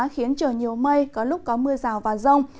khiến trời nhiều mây có lúc có mưa rào và rông